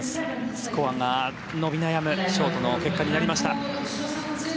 スコアが伸び悩むショートの結果となりました。